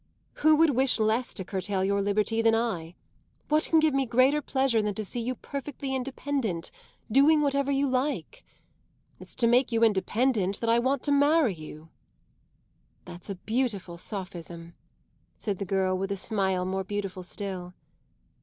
"Who would wish less to curtail your liberty than I? What can give me greater pleasure than to see you perfectly independent doing whatever you like? It's to make you independent that I want to marry you." "That's a beautiful sophism," said the girl with a smile more beautiful still.